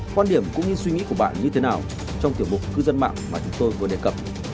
quan điểm cũng như suy nghĩ của bạn như thế nào trong tiểu mục cư dân mạng mà chúng tôi vừa đề cập